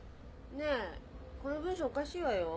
ねぇこの文章おかしいわよ。